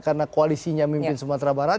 karena koalisinya mimpin sumatera barat